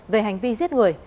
về hành vi giết người